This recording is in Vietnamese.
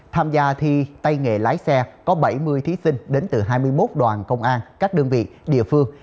tham gia thi tay nghề lái xe có bảy mươi thí sinh đến từ hai mươi một đoàn công an các đơn vị địa phương